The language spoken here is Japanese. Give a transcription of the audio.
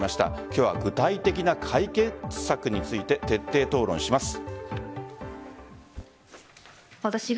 今日は具体的な解決策について徹底討論します。